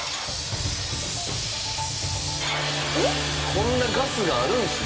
こんなガスがあるんですね。